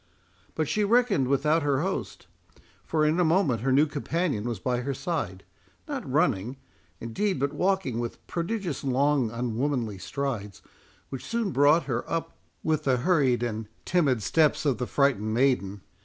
But she reckoned without her host; for in a moment her new companion was by her side, not running, indeed, but walking with prodigious long unwomanly strides, which soon brought her up with the hurried and timid steps of the frightened maiden.